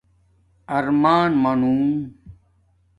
ارمان مانُݣ